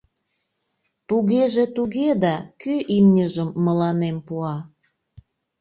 — Тугеже туге да, кӧ имньыжым мыланем пуа?